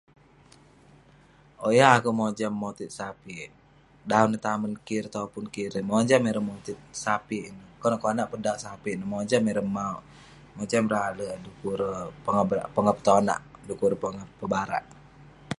Owk, yeng akouk mojam motit sapik. Dan neh tamen kik, ireh topun kik erei mojam ireh motit sapik ineh. Konak konak peh dauk sapik ineh ; mojam ireh mauk, mojam ireh ale'erk eh dekuk ireh pongah ber- pongah petonak, dekuk ireh pongah pebarak.